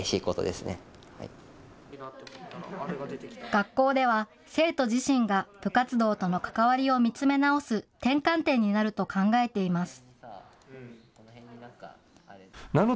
学校では、生徒自身が部活動との関わりを見つめ直す転換点になると考えています。